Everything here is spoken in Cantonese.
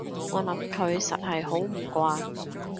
我諗佢實係好唔慣